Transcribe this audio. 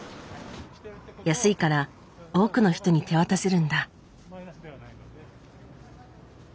安いから多くの人に手渡せるんだ。